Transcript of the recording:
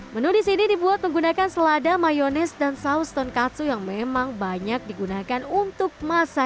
menu di sini dibuat menggunakan selada mayonis dan saus tonkatsu yang memang banyak digunakan untuk masakan jepang